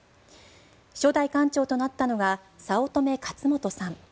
初代館長となったのが早乙女勝元さん。